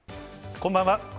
こんばんは。